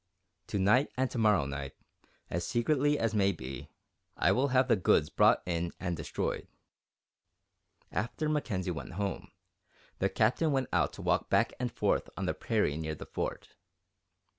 To night and to morrow night, as secretly as may be, I will have the goods brought in and destroyed." After Mackenzie went home, the Captain went out to walk back and forth on the prairie near the Fort.